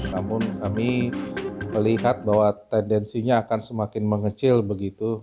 namun kami melihat bahwa tendensinya akan semakin mengecil begitu